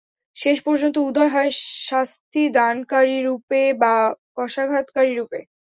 শেষ পর্যন্ত উদয় হয় শাস্তি দানকারীরূপে বা কশাঘাতকারীরূপে।